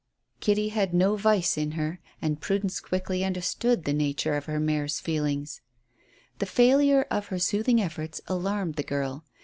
Kitty had no vice in her, and Prudence quickly understood the nature of her mare's feelings. The failure of her soothing efforts alarmed the girl.